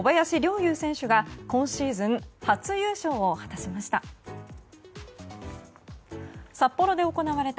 侑選手が今シーズン初優勝を果たしました。